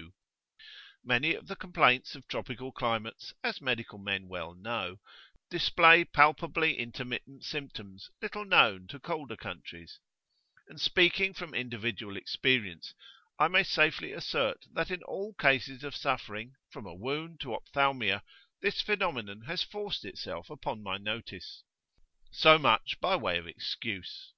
[FN#20] Many of the complaints of tropical climates, as medical men well know, display palpably intermittent symptoms little known to colder countries; and speaking from individual experience, I may safely assert that in all cases of suffering, from a wound to ophthalmia, this phenomenon has forced itself upon my notice. So much by way of excuse.